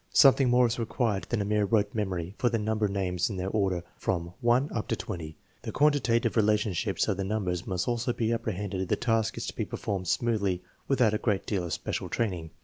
Something more is required than a mere rote memory for the number names in their order from 1 up to 20. The quantitative relationships of the numbers must also be apprehended if the task is to be per formed smoothly without a great deal of special training.